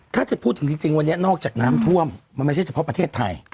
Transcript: ถ้าจะพูดถึงจริงวันนี้นอกจากน้ำท่วมมันไม่ใช่เฉพาะประเทศไทย